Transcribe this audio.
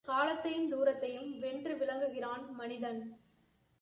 காலத்தையும் தூரத்தையும் வென்று விளங்குகின்றான் மனிதன்!